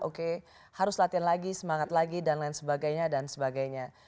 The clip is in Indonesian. oke harus latihan lagi semangat lagi dan lain sebagainya dan sebagainya